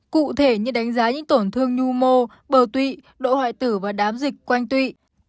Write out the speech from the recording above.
cụ thể như đánh giá những tổn thương nhu mô tụy độ hoại tử và đám dịch quanh tụy